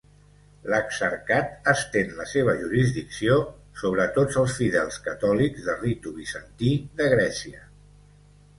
L'exarcat estén la seva jurisdicció sobre tots els fidels catòlics de ritu bizantí de Grècia.